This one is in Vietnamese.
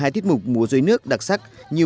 một mươi hai tiết mục mô dối nước đặc sắc như